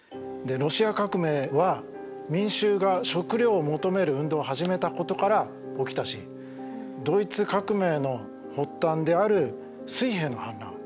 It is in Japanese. ロシア革命は民衆が食料を求める運動を始めたことから起きたしドイツ革命の発端である水兵の反乱。